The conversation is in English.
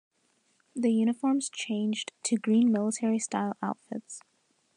The uniforms changed to green military-style outfits.